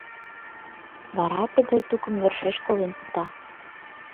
Вара тыгай тукым йӧршеш колен пыта.